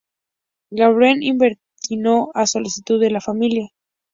Galen intervino a solicitud de la familia.